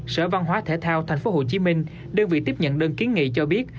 sở văn hóa thể thao tp hcm đơn vị tiếp nhận đơn kiến nghị cho biết